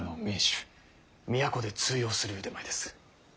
都で通用する腕前です。